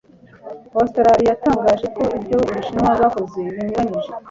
Australia yatangaje ko ibyo u Bushinwa bwakoze binyuranyije